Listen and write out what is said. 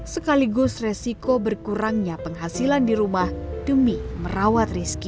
sekaligus resiko berkurangnya penghasilan di rumah demi merawat rizki